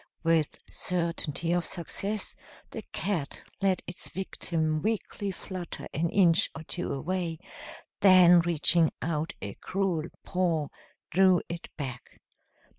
With certainty of success, the cat let its victim weakly flutter an inch or two away, then reaching out a cruel paw drew it back.